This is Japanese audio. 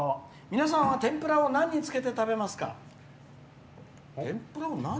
皆さんは天ぷらを何につけて食べますか？」。